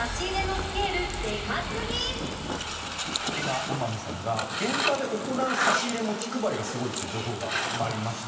こんな天海さんが現場で行う差し入れも気配りがすごいっていう情報がちょっとありまして。